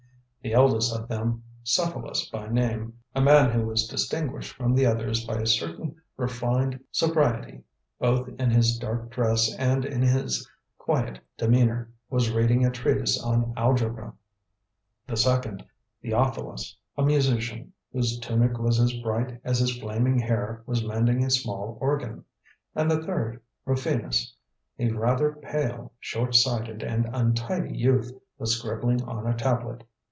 The eldest of them, Cephalus by name a man who was distinguished from the others by a certain refined sobriety both in his dark dress and in his quiet demeanour was reading a treatise on algebra; the second, Theophilus, a musician, whose tunic was as bright as his flaming hair, was mending a small organ; and the third, Rufinus, a rather pale, short sighted, and untidy youth, was scribbling on a tablet.